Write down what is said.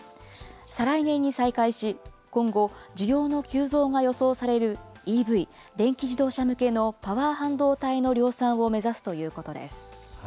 再来年に再開し、今後、需要の急増が予想されるＥＶ・電気自動車向けのパワー半導体の量産を目指すということです。